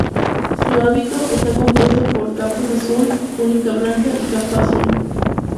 Su hábito está compuesto por capuz azul, túnica blanca y capa azul.